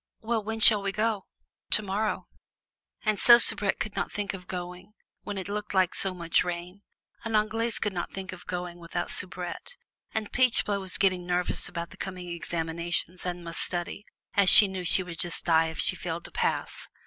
"Well, when shall we go?" "Tomorrow." And so Soubrette could not think of going when it looked so much like rain, and Anglaise could not think of going without Soubrette, and Peachblow was getting nervous about the coming examinations, and must study, as she knew she would just die if she failed to pass.